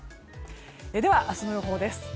では、明日の予報です。